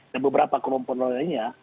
dan beberapa kelompok lainnya